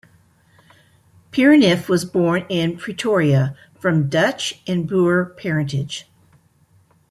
Pierneef was born in Pretoria, from Dutch and Boer parentage.